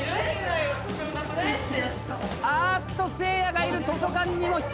あーっとせいやがいる図書館にも人多い。